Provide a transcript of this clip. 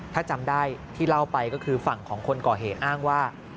ถ้าจำได้ที่เล่าไปก็คือฝั่งของคนก่อเหตุอ้างว่า